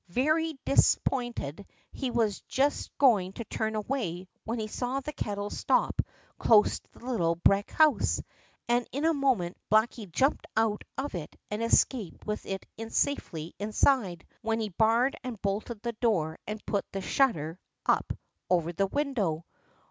Very much disappointed, he was just going to turn away when he saw the kettle stop close to the little brick house, and in a moment Blacky jumped out of it and escaped with it safely inside, when he barred and bolted the door and put the shutter up over the window.